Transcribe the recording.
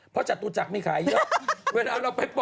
ปลาไหลสีทองไม่ใช่เรื่องแปลก